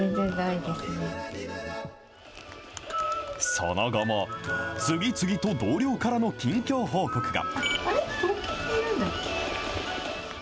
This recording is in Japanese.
その後も、次々と同僚からの近況報告が。